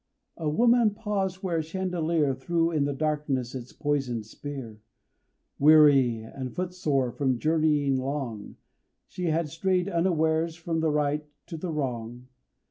A woman paused where a chandelier Threw in the darkness its poisoned spear; Weary and footsore from journeying long, She had strayed unawares from the right to the wrong.